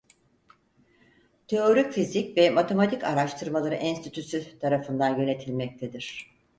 Teorik Fizik ve Matematik Araştırmaları Enstitüsü tarafından yönetilmektedir.